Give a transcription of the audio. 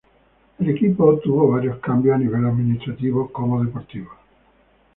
El equipo tuvo varios cambios a nivel administrativo como deportivos.